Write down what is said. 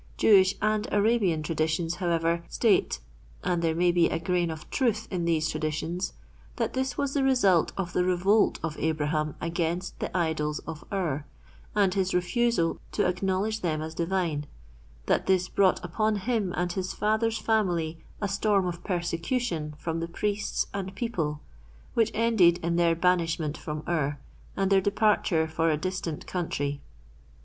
Jewish and Arabian traditions, however, state (and there may be a grain of truth in these traditions), that this was the result of the revolt of Abraham against the idols of Ur, and his refusal to acknowledge them as divine; that this brought upon him and his father's family a storm of persecution from the priests and people which ended in their banishment from Ur, and their departure for a distant country.